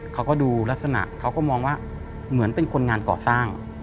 เขาก็ดูลักษณะเขาก็มองว่าเหมือนเป็นคนงานก่อสร้าง